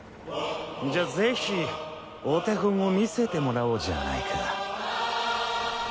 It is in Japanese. じゃゼヒお手本を見せてもらおうじゃないか。